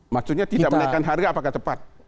maksudnya tidak menaikkan harga apakah tepat